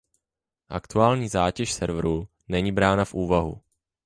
Aktuální zátěž serverů není brána v úvahu.